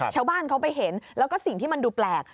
ชาวบ้านเขาไปเห็นแล้วก็สิ่งที่มันดูแปลก